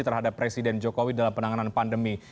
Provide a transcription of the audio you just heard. terhadap presiden jokowi dalam penanganan pandemi